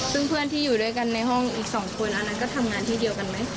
ซึ่งเพื่อนที่อยู่ด้วยกันในห้องอีก๒คนอันนั้นก็ทำงานที่เดียวกันไหม